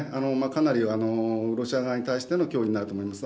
かなりロシア側に対しての脅威になると思います。